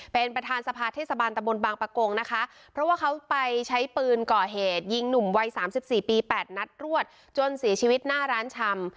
เป็นประธานสภาเทศบาลตะบนบางประกงนะคะเพราะว่าเขาไปใช้ปืนก่อเหตุยิงหนุ่มวัยสามสิบสี่ปีแปดนัดรวดจนเสียชีวิตหน้าร้านชำ